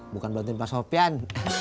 bukan bantuin pak sopian